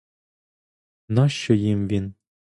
На що їм він?